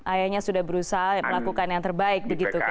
ayahnya sudah berusaha melakukan yang terbaik begitu